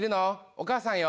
お母さんよ。